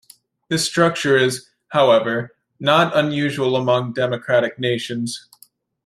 This structure is, however, not unusual among democratic nations.